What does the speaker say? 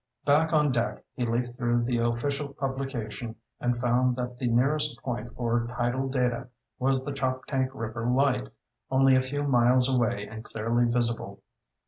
Back on deck, he leafed through the official publication and found that the nearest point for tidal data was the Choptank River Light, only a few miles away and clearly visible.